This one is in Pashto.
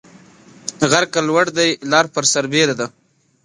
غر که لوړ دى ، لار پر سر بيره ده.